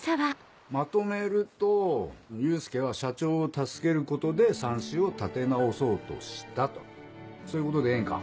まとめると祐介は社長を助けることでさんしを立て直そうとしたとそういうことでええんか？